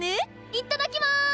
いっただきます！